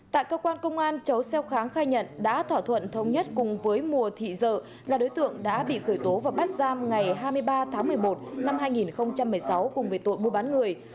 tại cơ quan công an chấu xeo kháng khai nhận đã thỏa thuận thống nhất cùng với mùa thị dợ là đối tượng đã bị khởi tố và bắt giam ngày hai mươi ba tháng một mươi một năm hai nghìn một mươi sáu cùng với tội mua bán người